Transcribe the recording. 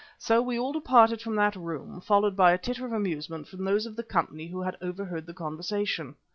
So we all departed from that room, followed by a titter of amusement from those of the company who had overheard the conversation.